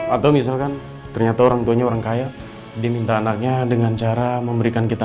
atau misalkan ternyata orang tuanya orang kaya diminta anaknya dengan cara memberikan kita